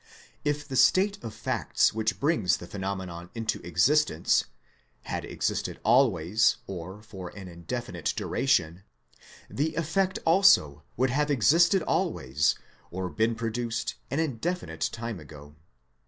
If the state of 144 THEISM facts which, brings the phenomenon into existence,, had existed always or for an indefinite duration,, the effect also would have existed always or been produced an indefinite time ago.